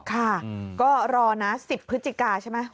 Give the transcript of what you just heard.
ค่ะก็รอนะ๑๐พฤศจิกาใช่ไหม